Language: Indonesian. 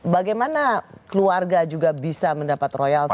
bagaimana keluarga juga bisa mendapat royalti